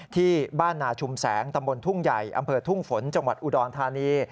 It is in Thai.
ที่บ้านนาชุมแสงตำบลทุ่งใหญ่อำเภอทุ่งฝนจังหวัดอุดรธานี